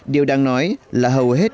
điều đang nói là hầu hết